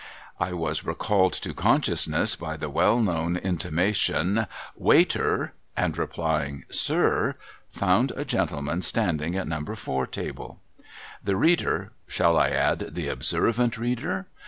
I was recalled to conscious ness by the well known intimation, ' Waiter !' and replying, ' Sir !' found a gentleman sta, nding at No, 4 table. The reader (shall I add, the observant reader